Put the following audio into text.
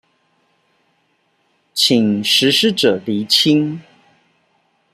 請實施者釐清